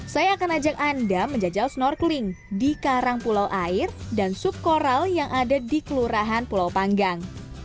saya akan ajak anda menjajah snorkeling di karang pulau air dan sub koral yang ada di kelurahan